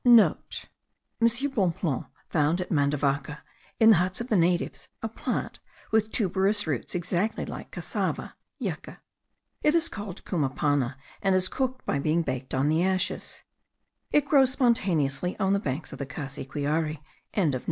*(* M. Bonpland found at Mandavaca, in the huts of the natives, a plant with tuberous roots, exactly like cassava (yucca). It is called cumapana, and is cooked by being baked on the ashes. It grows spontaneously on the banks of the Cassiquiare.)